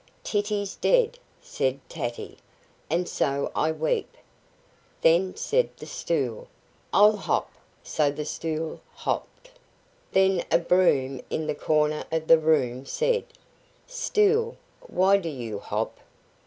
"Titty's dead," said Tatty, "and so I weep." "Then," said the stool, "I'll hop." So the stool hopped. Then a broom in the corner of the room said: "Stool, why do you hop?"